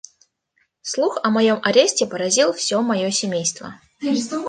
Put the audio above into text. Слух о моем аресте поразил все мое семейство.